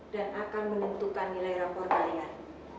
dan akan menentukan nilai rapor kalian